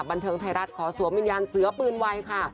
บันเทิงไทยรัฐขอสวมวิญญาณเสือปืนไวค่ะ